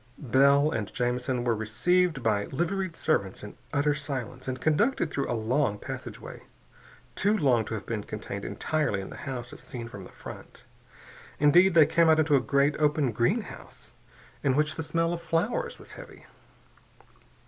Bell and Jamison were received by liveried servants in utter silence and conducted through a long passageway, too long to have been contained entirely in the house as seen from the front. Indeed, they came out into a great open greenhouse, in which the smell of flowers was heavy.